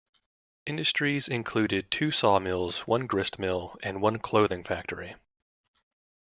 Industries included two sawmills, one gristmill, and one clothing factory.